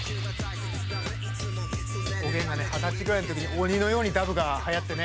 おげんがね二十歳ぐらいの時鬼のようにダブがはやってね。